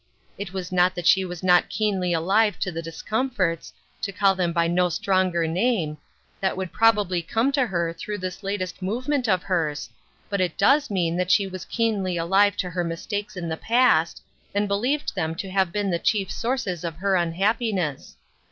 It was not that she was not keenly alive to the discomforts — to call them by no stronger name — that would probably come to her through this latest movement of hers, but it does mean that she was keenly alive to her mis takes in the past, and believed them to have been the chief sources of her unhappiness.